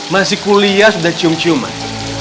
masih kuliah sudah cium ciuman